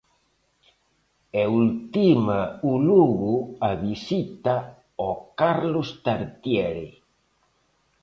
E ultima o Lugo a visita ao Carlos Tartiere.